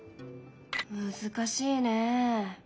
難しいね。